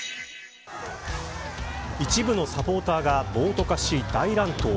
一部のサポーターが暴徒化し大乱闘。